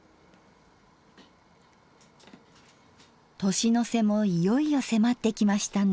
年の瀬もいよいよ迫ってきましたね。